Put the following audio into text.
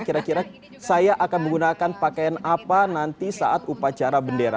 kira kira saya akan menggunakan pakaian apa nanti saat upacara bendera